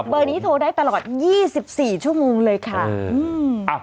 นี้โทรได้ตลอด๒๔ชั่วโมงเลยค่ะ